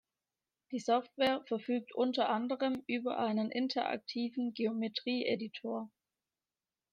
Die Software verfügt unter anderem über einen interaktiven Geometrie-Editor.